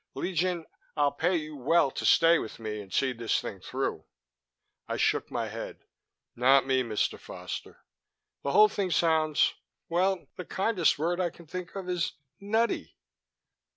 "Legion, I'll pay you well to stay with me and see this thing through." I shook my head. "Not me, Mr. Foster. The whole thing sounds well, the kindest word I can think of is 'nutty.'"